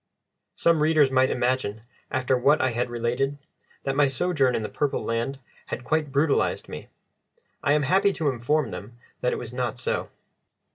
Some readers might imagine, after what I had related, that my sojourn in the Purple Land had quite brutalised me; I am happy to inform them that it was not so.